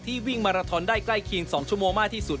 วิ่งมาราทอนได้ใกล้เคียง๒ชั่วโมงมากที่สุด